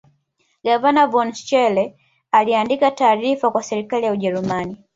Gavana von Schele aliandika taarifa kwa serikali ya Ujerumani